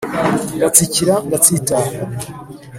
Ngatsikira ngatsitara